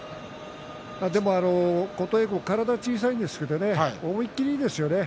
でも琴恵光、体は小さいですが思い切りがいいですよね。